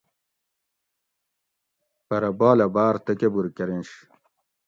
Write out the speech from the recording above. پٞرہ بالہ باٞر تکبُر کٞریںش